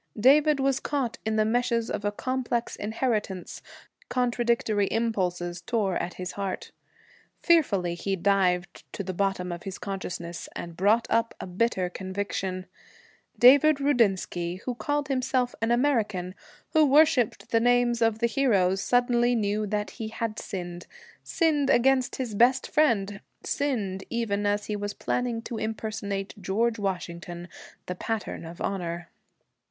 David was caught in the meshes of a complex inheritance; contradictory impulses tore at his heart. Fearfully he dived to the bottom of his consciousness, and brought up a bitter conviction: David Rudinsky, who called himself an American, who worshiped the names of the heroes, suddenly knew that he had sinned, sinned against his best friend, sinned even as he was planning to impersonate George Washington, the pattern of honor.